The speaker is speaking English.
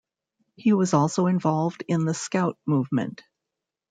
He was also involved in the Scout movement.